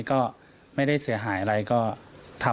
มันอะไรหรือเปล่ามันลมงายไหม